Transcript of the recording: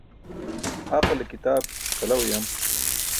Aqale kitaap kala uyam.